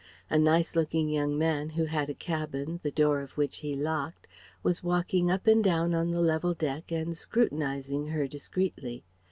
A nice looking young man who had a cabin the door of which he locked, was walking up and down on the level deck and scrutinizing her discreetly.